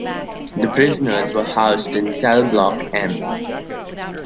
The prisoners were housed in cell block M.